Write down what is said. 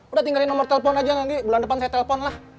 udah tinggalin nomor telepon aja nanti bulan depan saya telepon lah